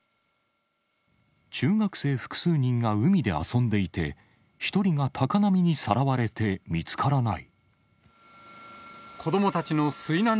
中学生複数人が海で遊んでいて、１人が高波にさらわれて見つからない。